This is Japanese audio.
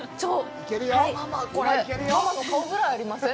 ママ、これママの顔ぐらいありません？